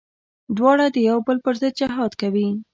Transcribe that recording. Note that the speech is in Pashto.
دواړه د يو بل پر ضد جهاد کوي.